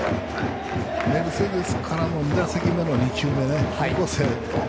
メルセデスとの２打席目からの２球目ね。